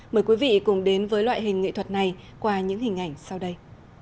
mời quý vị cùng đến với loại hình nghệ thuật này qua những hình ảnh sau đây